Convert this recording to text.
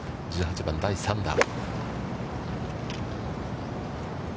１８番第３打。